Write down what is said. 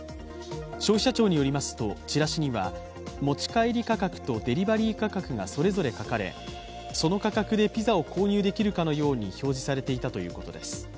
消費者庁によりますとチラシには持ち帰り価格とデリバリー価格がそれぞれ書かれその価格でピザを購入できるかのように表示されていたということです。